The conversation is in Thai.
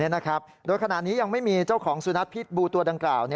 นี่นะครับโดยขนาดนี้ยังไม่มีเจ้าของสุนัขพิษบูตัวดังกล่าว